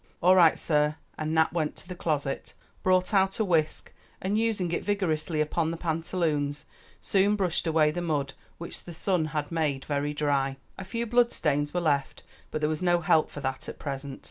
"All right, sah," and Nap went to a closet, brought out a whisk, and using it vigorously upon the pantaloons, soon brushed away the mud, which the sun had made very dry. A few blood stains were left, but there was no help for that at present.